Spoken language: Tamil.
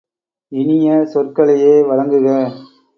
இனிய சொற்களையே வழங்குக!